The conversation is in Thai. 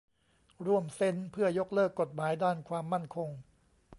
ร่วม "เซ็น" เพื่อยกเลิกกฎหมายด้านความมั่นคง